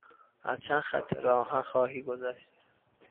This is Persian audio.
از چند خط راه آهن خواهی گذشت.